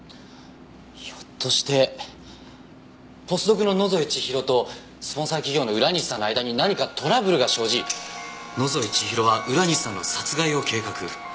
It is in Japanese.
ひょっとしてポスドクの野添千尋とスポンサー企業の浦西さんの間に何かトラブルが生じ野添千尋は浦西さんの殺害を計画。